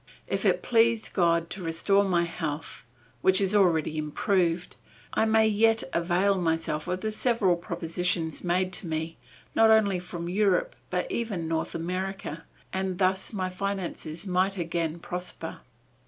If it please God to restore my health, which is already improved, I may yet avail myself of the several propositions made me, not only from Europe, but even North America, and thus my finances might again prosper."